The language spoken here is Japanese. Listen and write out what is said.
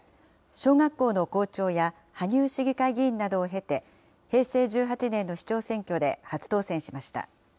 小学校の校長や、羽生市議会議員などを経て、平成１８年の市長選挙で初当選しました。